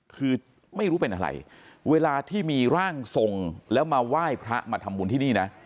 คือไม่รู้เป็นอะไรเวลาที่มีร่างทรงแล้วมาไหว้พระมาทำบุญที่นี่นะ